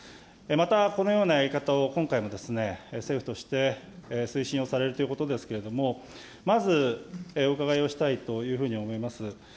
また、このようなやり方を今回も政府として推進をされるということですけれども、まずお伺いをしたいというふうに思います。